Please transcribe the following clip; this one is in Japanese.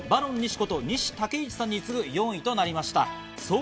こと西竹一さんに次ぐ４位となりました。